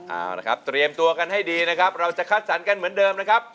เอาละครับเตรียมตัวกันให้ดีนะครับเราจะคัดสรรกันเหมือนเดิมนะครับ